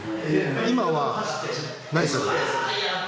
今は何されてるんですか？